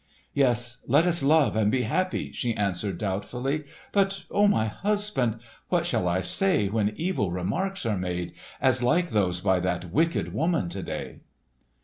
"Yes, let us love and be happy," she answered doubtfully. "But, O my husband, what shall I say when evil remarks are made, as like those by that wicked woman to day?"